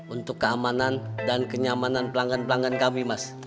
untuk keamanan dan kenyamanan pelanggan pelanggan kami mas